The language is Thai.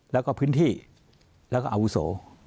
แล้วก็พื้นที่แล้วก็อาวุโส